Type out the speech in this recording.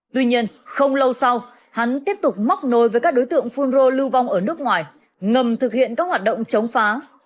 tuy nhiên không lâu sau hắn tiếp tục móc nối với các đối tượng phun rô lưu vong ở nước ngoài ngầm thực hiện các hoạt động chống phá